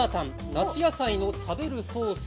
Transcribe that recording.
「夏野菜の食べるソース」